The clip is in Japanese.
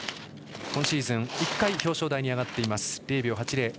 今シーズン、１回表彰台に上がっています。